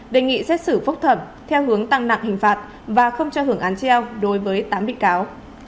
đề nghị xét xử phúc thẩm theo hướng tăng nặng hình phạt và không cho hưởng án treo đối với tám bị cáo